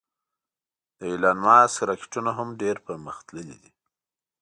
د ایلان ماسک راکټونه هم ډېر پرمختللې دې